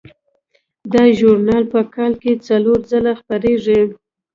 دا ژورنال په کال کې څلور ځله خپریږي.